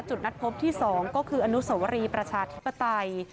จุดนัดพบที่๒ก็คืออนุสวรีประชาธิปไตย